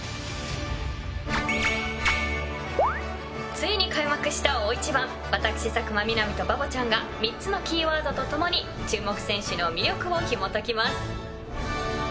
ついに開幕した大一番私佐久間みなみとバボちゃんが３つのキーワードとともに注目選手の魅力をひもときます。